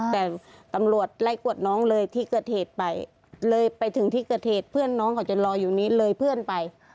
แต่ตำรวจไล่กวดน้องเลยที่เกิดเหตุไปเลยไปถึงที่เกิดเหตุเพื่อนน้องเขาจะรออยู่นี้เลยเพื่อนไป